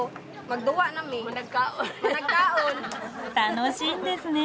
楽しいんですね。